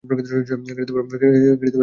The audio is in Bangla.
শুরু করার আগে একান্তে কিছুটা সময় চাচ্ছি?